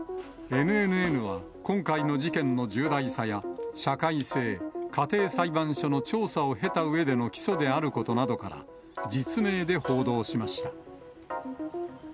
ＮＮＮは、今回の事件の重大さや社会性、家庭裁判所の調査を経たうえでの起訴であることなどから、実名で報道しました。